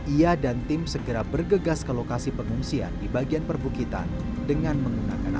ia dan tim segera bergegas ke lokasi pengungsian di bagian perbukitan dengan menggunakan